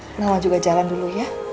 kenapa juga jalan dulu ya